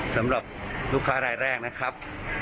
สำหรับลูกค้ารายแรกนะครับ